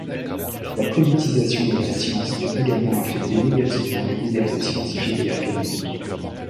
La politisation de la science peut également affecter négativement les libertés scientifiques et académique.